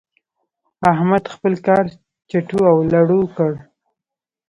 احمد خپل کار چټو او لړو کړ.